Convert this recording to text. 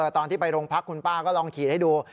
ตอนที่ไปโรงพักคุณป้าก็ลองขีดให้ดู